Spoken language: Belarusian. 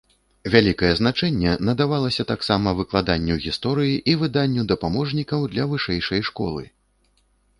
Вялікае значэнне надавалася таксама выкладанню гісторыі і выданню дапаможнікаў для вышэйшай школы.